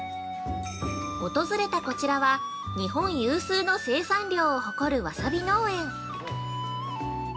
◆訪れたこちらは、日本有数の生産量をほこるわさび農園。